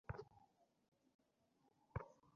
এই নেও পান করো।